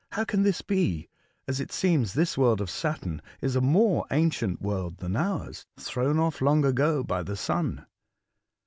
How can this be if, as it seems, this world of Saturn is a more ancient world than ours, thrown ofi'long ago by the sun